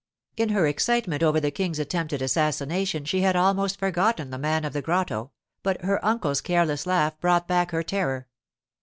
In her excitement over the King's attempted assassination she had almost forgotten the man of the grotto, but her uncle's careless laugh brought back her terror.